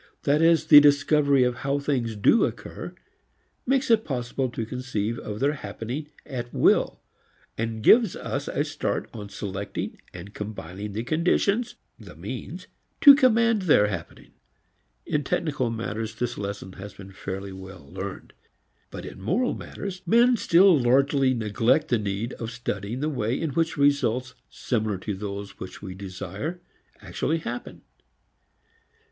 That is, the discovery of how things do occur makes it possible to conceive of their happening at will, and gives us a start on selecting and combining the conditions, the means, to command their happening. In technical matters, this lesson has been fairly well learned. But in moral matters, men still largely neglect the need of studying the way in which results similar to those which we desire actually happen.